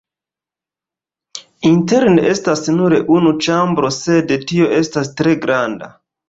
Interne estas nur unu ĉambro, sed tio estas tre granda.